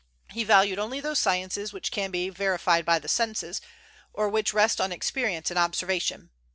He valued only those sciences which can be verified by the senses, or which rest on experience and observation.